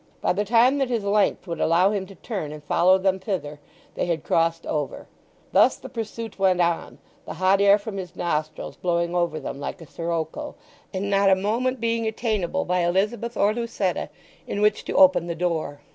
By the time that his length would allow him to turn and follow them thither they had crossed over; thus the pursuit went on, the hot air from his nostrils blowing over them like a sirocco, and not a moment being attainable by Elizabeth or Lucetta in which to open the door.